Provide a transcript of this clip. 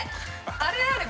あれだよね？